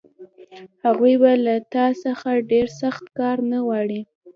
هغوی به له تا څخه ډېر سخت کار نه غواړي